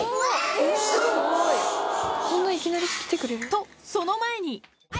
と、その前に。